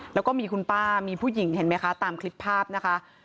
แล้วก็มีคุณป้ามีผู้หญิงเห็นไหมคะตามคลิปภาพนะคะ